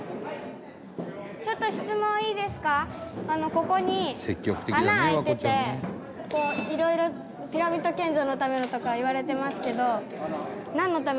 ここに穴開いてて色々ピラミッド建造のためのとか言われてますけど。